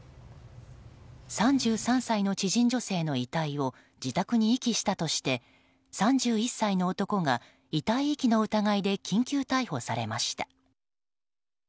３３歳の知人女性の遺体を自宅に遺棄したとして３１歳の男が遺体遺棄の疑いで緊急逮捕されました。